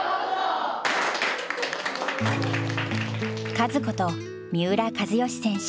カズこと三浦知良選手。